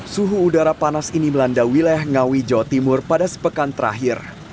suhu udara panas ini melanda wilayah ngawi jawa timur pada sepekan terakhir